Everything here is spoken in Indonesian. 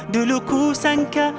dulu ku sangka